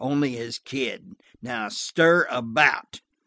Only his kid. Now stir about."